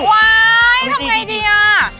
ว้ายยยทำไมดีอะ